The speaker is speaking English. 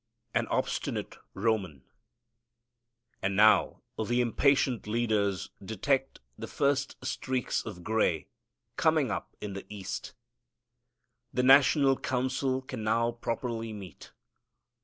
An Obstinate Roman. And now the impatient leaders detect the first streaks of gray coming up in the east. The national council can now properly meet.